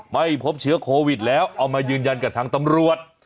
ไม่พบเชื้อโควิดแล้วเอามายืนยันกับทางตำรวจ